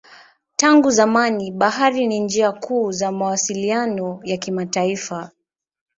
Tangu zamani bahari ni njia kuu za mawasiliano ya kimataifa.